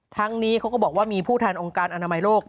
ทั้งนี้เขาก็บอกว่ามีผู้แทนองค์การอนามัยโลก